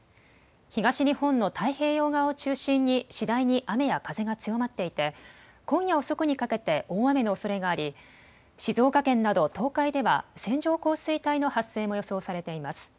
東日本の太平洋側を中心に次第に雨や風が強まっていて今夜遅くにかけて大雨のおそれがあり静岡県など東海では線状降水帯の発生も予想されています。